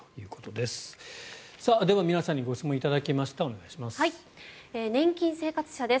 では皆さんにご質問を頂きましたお願いします。